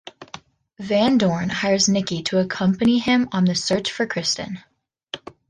Van Dorn hires Niki to accompany him on the search for Kristen.